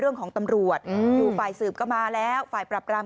เรื่องของตำรวจอยู่ฝ่ายสืบก็มาแล้วฝ่ายปรับราม